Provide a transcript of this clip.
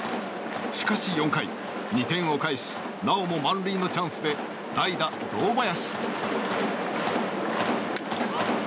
しかし４回、２点を返しなおも満塁のチャンスで代打、堂林。